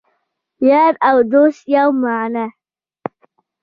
یار او دوست یوه معنی